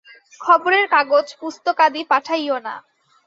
খবরের কাগজ, পুস্তকাদি পাঠাইও না।